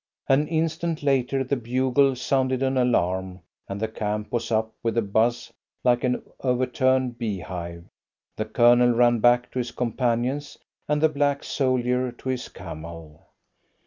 An instant later the bugle sounded an alarm, and the camp was up with a buzz like an overturned bee hive. The Colonel ran back to his companions, and the black soldier to his camel.